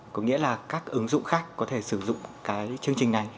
có nghĩa là các ứng dụng khác có thể sử dụng cái chương trình này